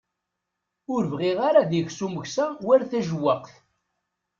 Ur bɣiɣ ara ad ikes umeksa war tajewwaqt.